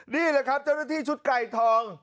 นี่แหละครับเจ้าหน้าที่ชุดไก่ทอง